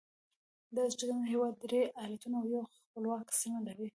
د تاجکستان هیواد درې ایالتونه او یوه خپلواکه سیمه لري.